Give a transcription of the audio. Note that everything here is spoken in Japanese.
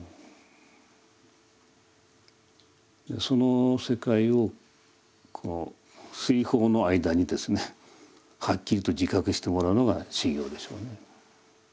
その世界をこの水泡の間にですねはっきりと自覚してもらうのが修行でしょうね。